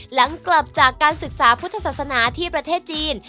หลังกลับจากการศึกษาพุทธศาสนาที่ประเทศจีน